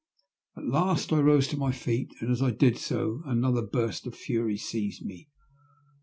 At last I rose to my feet, and as I did so another burst of fury seized me.